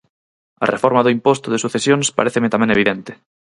A reforma do imposto de sucesións paréceme tamén evidente.